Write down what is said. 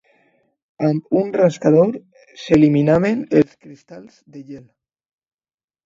Amb un rascador s'eliminaven els cristalls de gel.